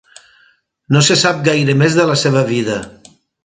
No se sap gaire més de la seva vida.